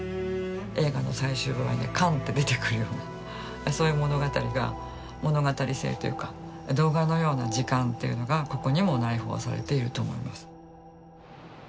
映画の最終場面で「完」って出てくるようなそういう物語が物語性というか動画のような時間というのがここにも内包されていると思います。